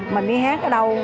mình đi hát ở đâu